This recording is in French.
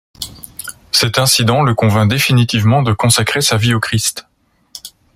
Cet incident le convainc définitivement de consacrer sa vie au Christ.